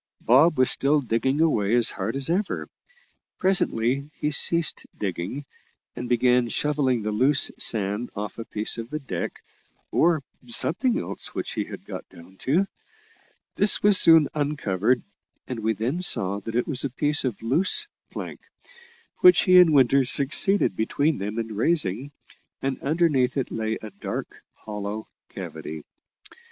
Bob was still digging away as hard as ever. Presently he ceased digging, and began shovelling the loose sand off a piece of the deck or something else which he had got down to. This was soon uncovered, and we then saw that it was a piece of loose plank, which he and Winter succeeded between them in raising, and underneath it lay a dark hollow cavity.